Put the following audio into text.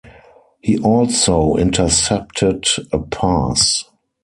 He also intercepted a pass.